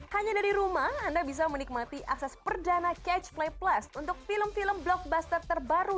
hanya dari rumah anda bisa menikmati akses perdana catch play plus untuk film film blockbuster terbaru